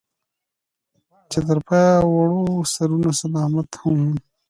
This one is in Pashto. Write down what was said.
چې تر پايه وړو سرونه سلامت هم